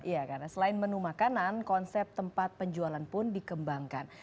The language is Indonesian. ya karena selain menu makanan konsep tempat penjualan pun dikembangkan